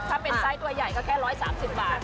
ถ้าเป็นไส้ตัวใหญ่ก็แค่๑๓๐บาท